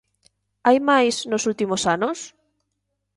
Hai máis, nos últimos anos?